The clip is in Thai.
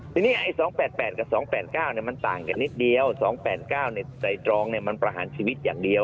ทีนี้ไอ้๒๘๘กับ๒๘๙มันต่างกันนิดเดียว๒๘๙ในตรองมันประหารชีวิตอย่างเดียว